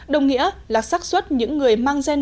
đồng nghĩa là sắc xuất những người mang gian bệnh